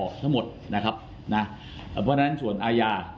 เพราะฉะนั้นส่วนอายาราชมาก